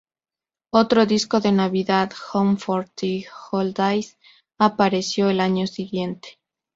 Otro disco de navidad, "Home for the Holidays", apareció el año siguiente.